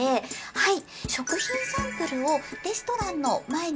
はい！